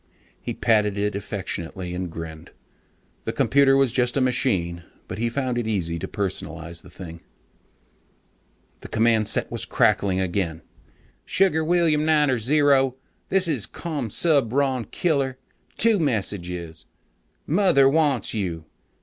He patted it affectionately and grinned. The computer was just a machine, but he found it easy to personalize the thing.... The command set was crackling again. "Sugar William Niner Zero, this is Commsubron Killer. Two messages. Mother wants you.